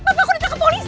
bapak aku ditangkap polisi